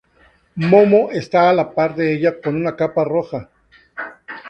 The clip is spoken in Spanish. Momo esta a la par de ella con una capa roja.